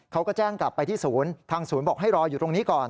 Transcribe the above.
เขาก็แจ้งกลับไปที่ศูนย์ทางศูนย์บอกให้รออยู่ตรงนี้ก่อน